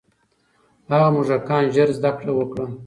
هغه موږکان ژر زده کړه وکړه.